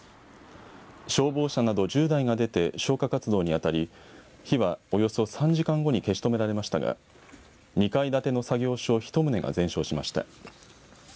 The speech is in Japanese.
消防車など１０台が出て消火活動にあたり火は、およそ３時間後に消し止められましたが２階建ての作業所１棟が全焼しました。